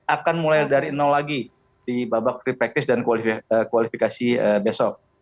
akan mulai dari nol lagi di babak free practice dan kualifikasi besok